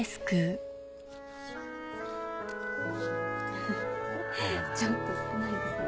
フフッちょっと少ないですね。